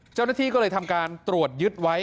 เจ้าหน้าที่ก็เลยทำการตรวจยึดไว้